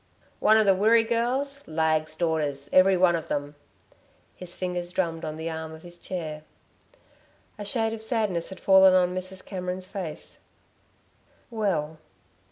"One of the Wirree girls lag's daughters, every one of them!" His fingers drummed on the arm of his chair. A shade of sadness had fallen on Mrs Cameron's face. "Well